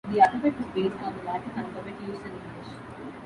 The alphabet was based on the Latin alphabet used in English.